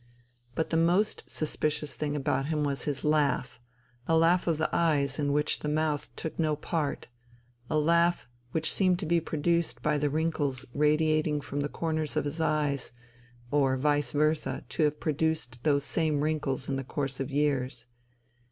But the most suspicious thing about him was his laugh, a laugh of the eyes in which the mouth took no part, a laugh which seemed to be produced by the wrinkles radiating from the corners of his eyes, or vice versa to have produced those same wrinkles in the course of years.